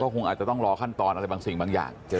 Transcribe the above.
คงอาจจะต้องรอขั้นตอนอะไรบางสิ่งบางอย่างเจอ